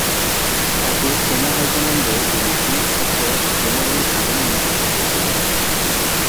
তাকে সেনা হাই কমান্ডে তিনি chief of the general army নিযুক্ত হয়েছিলেন।